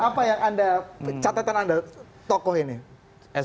apa catatan anda tokoh ini